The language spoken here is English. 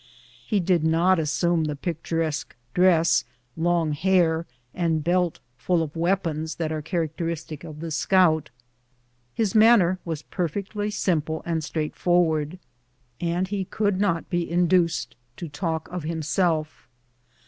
lie did not assume the pict uresque dress, long hair, and belt full of weapons that are characteristic of the scout. Ilis manner was perfect ly simple and straightforward, and he could not be in duced to talk of himself.